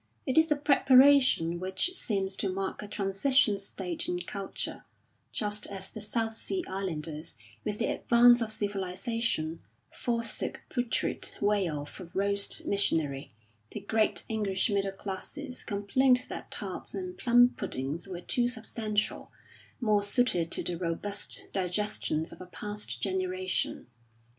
It is a preparation which seems to mark a transition stage in culture; just as the South Sea Islanders, with the advance of civilisation, forsook putrid whale for roast missionary, the great English middle classes complained that tarts and plum puddings were too substantial, more suited to the robust digestions of a past generation.